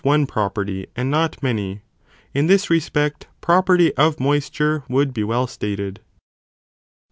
one property and not many, in this respect property of mois ture would be well stated.